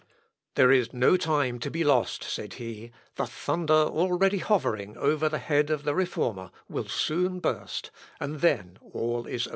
"There is no time to be lost," said he, "the thunder already hovering over the head of the Reformer, will soon burst, and then all is over."